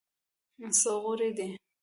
څه غورې دي.